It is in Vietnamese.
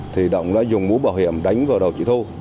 thì động đã dùng mũ bảo hiểm đánh vào đầu chị thu